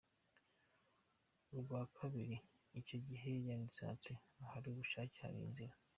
Urwa kabiri icyo gihe yanditseho ati “ahari ubushake hari inzira.